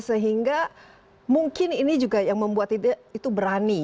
sehingga mungkin ini juga yang membuat itu berani